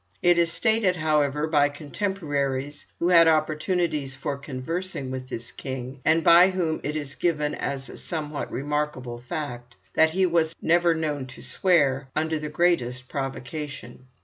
It is stated, however, by contemporaries who had opportunities for conversing with this king, and by whom it is given as a somewhat remarkable fact, that he was never known to swear under the greatest provocation.